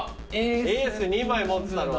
エース２枚持ってたの？